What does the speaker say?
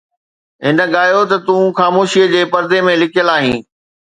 هن ڳايو ته تون خاموشيءَ جي پردي ۾ لڪيل آهين